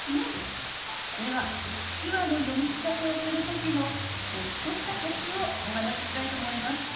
では手話の読み聞かせをする時のちょっとしたコツをお話ししたいと思います。